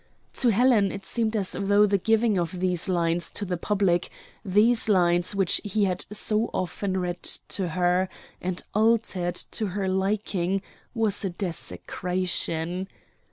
To Helen it seemed as though the giving of these lines to the public these lines which he had so often read to her, and altered to her liking was a desecration.